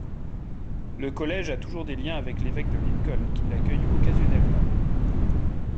Le collège a toujours des liens avec l'évêque de Lincoln qu'il accueille occasionnellement.